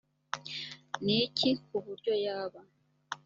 ni iki ku buryo yaba